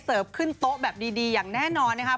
ขึ้นโต๊ะแบบดีอย่างแน่นอนนะครับ